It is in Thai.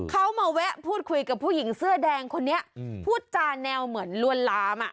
เขามาแวะพูดคุยกับผู้หญิงเสื้อแดงคนนี้พูดจาแนวเหมือนลวนลามอ่ะ